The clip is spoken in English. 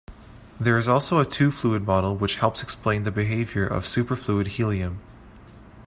There is also a two-fluid model which helps explain the behavior of superfluid helium.